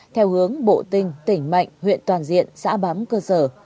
theo hướng bộ tinh tỉnh mạnh huyện toàn diện xã bám cơ sở